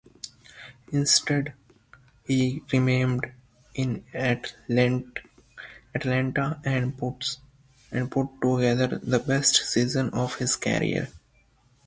Instead, he remained in Atlanta, and put together the best season of his career.